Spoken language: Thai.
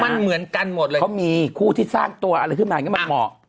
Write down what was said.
มันเหมือนกันหมดเลยเขามีคู่ที่สร้างตัวอะไรขึ้นมาก็เหมาะ